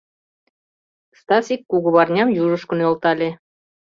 — Стасик кугыварням южышко нӧлтале.